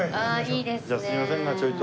じゃあすいませんがちょいと。